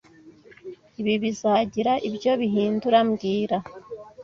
Ibi bizagira ibyo bihindura mbwira